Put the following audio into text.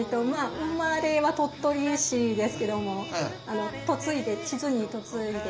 生まれは鳥取市ですけども智頭に嫁いで。